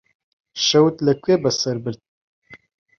شەوت لەکوێ بەسەر برد؟